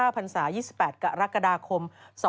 ๖๕ภรรษา๒๘กรกฎาคม๒๕๖๐